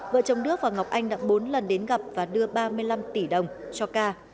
vợ chồng đức và ngọc anh đã bốn lần đến gặp và đưa ba mươi năm tỷ đồng cho ca